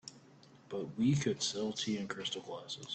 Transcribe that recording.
But we could sell tea in crystal glasses.